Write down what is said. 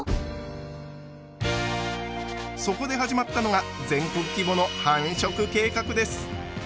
そこで始まったのが全国規模の繁殖計画です。